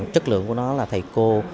chất lượng của nó là thầy cô